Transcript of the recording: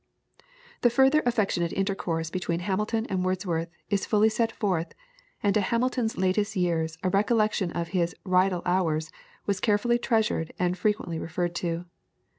The further affectionate intercourse between Hamilton and Wordsworth is fully set forth, and to Hamilton's latest years a recollection of his "Rydal hours" was carefully treasured and frequently referred to.